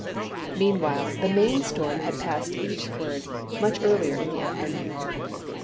Meanwhile, the main storm had passed eastward much earlier in the afternoon.